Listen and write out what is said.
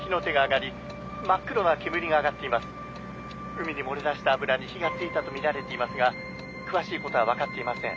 海に漏れ出した油に火がついたと見られていますが詳しいことは分かっていません」。